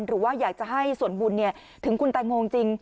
หรือว่าอยากจะให้ส่วนบุญเนี่ยถึงคุณตายงงจริง